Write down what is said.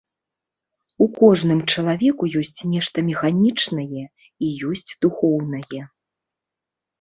У кожным чалавеку ёсць нешта механічнае і ёсць духоўнае.